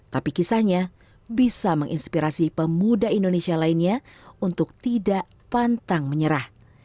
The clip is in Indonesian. tapi kisahnya bisa menginspirasi pemuda indonesia lainnya untuk tidak pantang menyerah